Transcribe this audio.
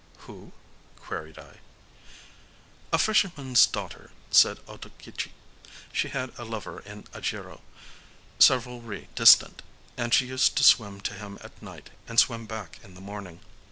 "Who?" queried I. "A fisherman's daughter," said Otokichi. "She had a lover in Ajiro, several ri distant; and she used to swim to him at night, and swim back in the morning.